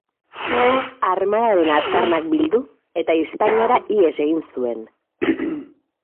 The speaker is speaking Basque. Armadaren aztarnak bildu eta Hispaniara ihes egin zuen.